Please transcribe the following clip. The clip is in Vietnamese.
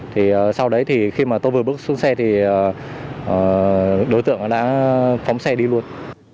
thì sau đấy thì khi mà tôi vừa bước xuống xe thì đối tượng đã phóng xe đi luôn